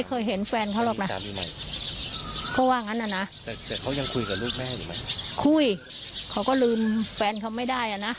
คุยเค้าก็ลืมแฟนเค้าไม่ได้อะนะ